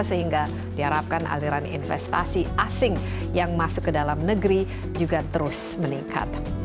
sehingga diharapkan aliran investasi asing yang masuk ke dalam negeri juga terus meningkat